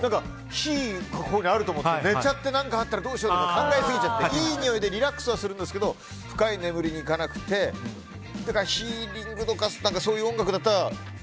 火がここにあると思って寝ちゃって、何かあったらどうしようって考えすぎちゃってリラックスはするんですけど深い眠りにいかなくてだからヒーリングとかそういう音楽だったら。